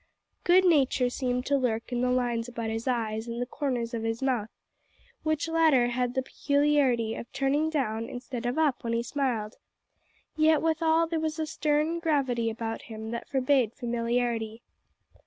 Good nature seemed to lurk in the lines about his eyes and the corners of his mouth, which latter had the peculiarity of turning down instead of up when he smiled; yet withal there was a stern gravity about him that forbade familiarity.